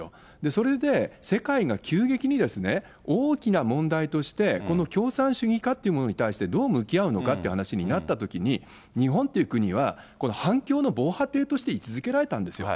それで世界が急激に大きな問題として、この共産主義化ってものに対してどう向き合うのかって話になったときに、日本という国は、はんきょうの防波堤として位置づけられたんですよ。